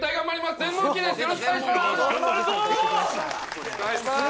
よろしくお願いします